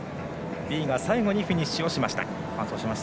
ビイが最後にフィニッシュしました。